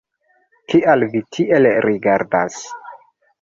Kial vi tiel rigardas?